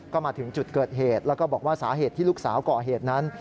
ก็มาถึงจุดเกิดเหตุแล้วก็บอกว่าสาเหตุที่ลูกสาวก่อเหตุนั้น